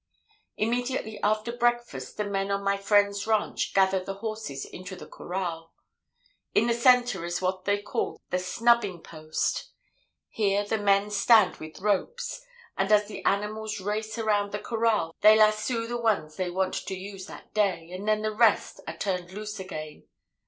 "Immediately after breakfast the men on my friend's ranch gather the horses into the corral. In the centre is what they call the snubbing post; here the men stand with ropes, and, as the animals race around the corral, they lasso the ones they want to use that day, and then the rest are turned loose again.